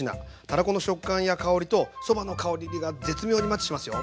たらこの食感や香りとそばの香りが絶妙にマッチしますよ。